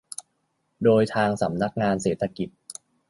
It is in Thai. โดยทางสำนักงานเศรษฐกิจ